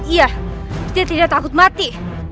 iya dia tidak takut mati